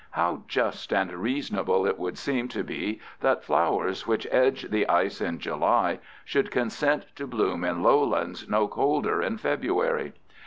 How just and reasonable it would seem to be that flowers which edge the ice in July should consent to bloom in lowlands no colder in February!